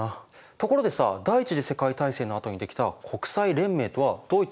ところで第一次世界大戦のあとにできた国際連盟とはどういった違いがあるの？